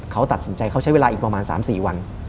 เขาตัดสินใจเขาใช้เวลาอีกประมาณ๓๔วัน